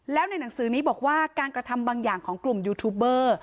แล้วในหนังสือนี้บอกว่าการกระทำบางอย่างของกลุ่มยูทูบเบอร์